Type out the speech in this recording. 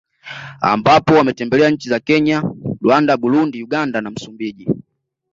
Ambapo ametembelea nchi za Kenya Rwanda Burundi Uganda na Msumbiji